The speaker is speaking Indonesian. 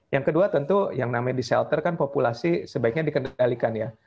yang kedua tentu yang namanya di shelter kan populasi sebaiknya dikendalikan ya